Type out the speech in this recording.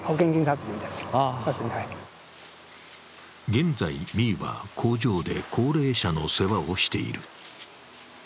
現在Ｂは工場で高齢者の世話をしている。